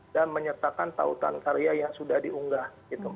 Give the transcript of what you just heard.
dan menyertakan tautan karya yang sudah diunggah